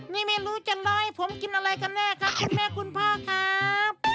นี่ไม่รู้จะน้อยผมกินอะไรกันแน่ครับคุณแม่คุณพ่อครับ